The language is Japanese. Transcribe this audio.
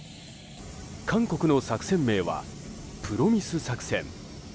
韓国の作戦名はプロミス作戦。